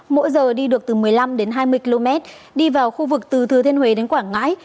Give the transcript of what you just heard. mỗi giờ đi được từ một mươi năm đến hai mươi km đi vào khu vực từ thừa thiên huế đến quảng ngãi